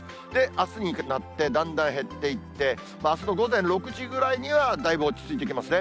あすにかかってだんだん減っていって、あすの午前６時ぐらいにはだいぶ落ち着いてきますね。